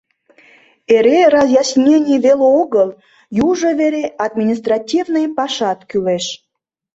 Эре разъяснений веле огыл, южо вере административный пашат кӱлеш.